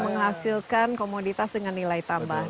menghasilkan komoditas dengan nilai tambah